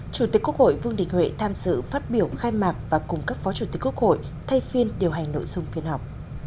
chủ tịch quốc hội vương đình huệ tham dự phát biểu khai mạc và cùng các phó chủ tịch quốc hội thay phiên điều hành nội dung phiên họp